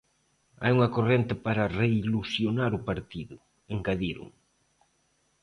"Hai unha corrente para reilusionar o partido", engadiron.